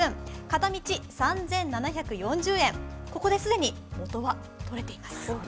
片道３７４０円、ここで既に元は取れています。